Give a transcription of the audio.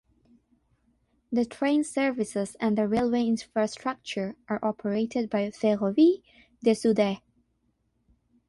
The train services and the railway infrastructure are operated by Ferrovie del Sud Est.